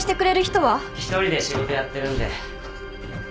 １人で仕事やってるんで。